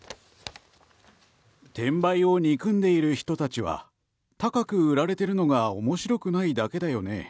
転売を憎んでいる人たちは高く売られているのが面白くないだけだよね？